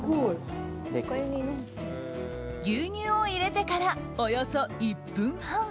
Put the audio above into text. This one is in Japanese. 牛乳を入れてからおよそ１分半。